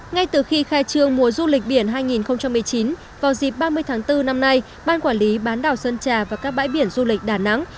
ngay từ khi khai trương mùa du lịch biển hai nghìn một mươi chín vào dịp ba mươi tháng bốn năm nay ban quản lý bán đảo sơn trà và các bãi biển du lịch đà nẵng